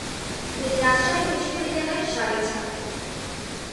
তিনি রাজশাহী বিশ্ববিদ্যালয়ের সাবেক ছাত্র।